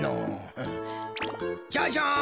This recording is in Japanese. ジャジャン！